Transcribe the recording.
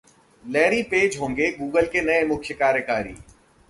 Larry Page होंगे Google के नए मुख्य कार्यकारी